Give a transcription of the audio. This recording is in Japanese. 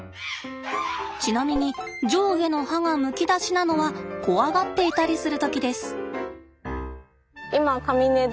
ちなみに上下の歯がむき出しなのは怖がっていたりする時です。